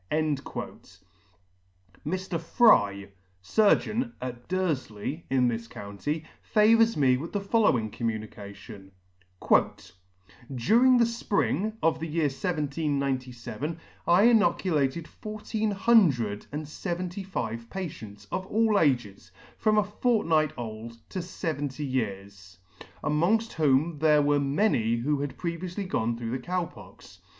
Mr. Fry, Surgeon, at Durfley, in this county, favours me with the following communication :" During the fpring of the year 1797, I inoculated fourteen hundred and feventy five patients, of all ages, from a fortnight old [ 125 ] old to feventy years ; amongft whom there were many who had previoully gone through the Cow Pox.